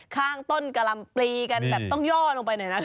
ข้างต้นการัมปรีกันแต่ต้องย่อลงไปหน่อยนะ